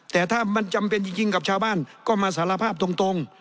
แต่ถ้ามันจำเป็นจริงกับชาวบ้านก็มาสารภาพตรง